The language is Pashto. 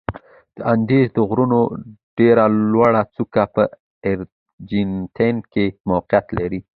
د اندیز د غرونو ډېره لوړه څوکه په ارجنتاین کې موقعیت لري.